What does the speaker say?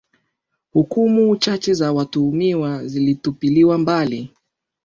hukumu chache za watuhumiwa zilitupiliwa mbali